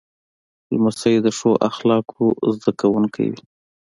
لمسی د ښو اخلاقو زده کوونکی وي.